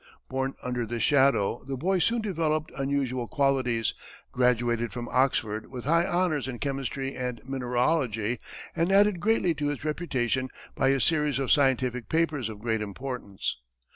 Born under this shadow, the boy soon developed unusual qualities, graduated from Oxford, with high honors in chemistry and mineralogy, and added greatly to his reputation by a series of scientific papers of great importance.